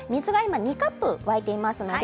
２カップ沸いています。